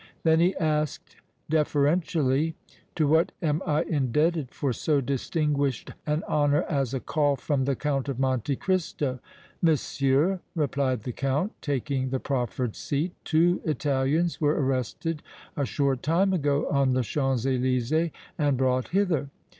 Then he asked, deferentially: "To what am I indebted for so distinguished an honor as a call from the Count of Monte Cristo?" "Monsieur," replied the Count, taking the proffered seat, "two Italians were arrested a short time ago on the Champs Elysées and brought hither."